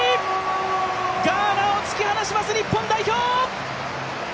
ガーナを突き放します、日本代表！